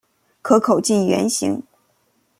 壳口近圆形。